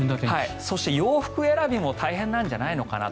そして、洋服選びも大変なんじゃないのかなと。